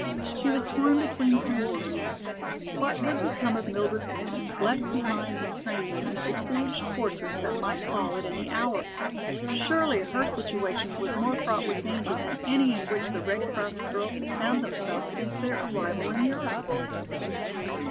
She was torn between two worries. What would become of Mildred Thornton, left behind with strangers in a besieged fortress that might fall at any hour? Surely her situation was more fraught with danger than any in which the Red Cross girls had found themselves since their arrival in Europe.